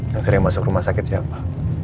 yang sering masuk rumah sakit siapa